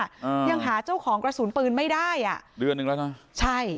ยังหาเจ้าของกระสุนปืนไม่ได้อ่ะเดือนหนึ่งแล้วนะใช่